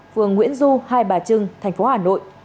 phường nguyễn du hai bà trưng tp hà nội